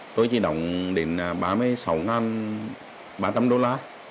tôi chỉ đóng đến ba mươi sáu ba trăm linh đô la